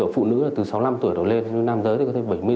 phụ nữ là từ sáu mươi năm tuổi đầu lên nam giới thì có thể bảy mươi tuổi